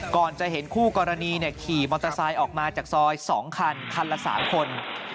ก่อนจะเห็นคู่กรณีขี่มอเตอร์ไซค์ออกมาจากซอย๒คันคันละ๓คน